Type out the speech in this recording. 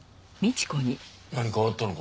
何かあったのか？